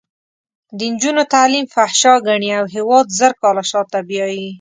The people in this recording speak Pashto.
د نجونو تعلیم فحشا ګڼي او هېواد زر کاله شاته بیایي.